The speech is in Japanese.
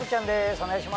お願いします。